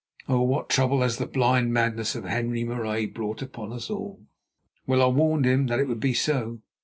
Oh, what trouble has the blind madness of Henri Marais brought upon us all! Well, I warned him that it would be so.